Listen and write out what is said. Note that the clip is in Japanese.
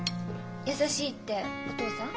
「優しい」ってお父さん？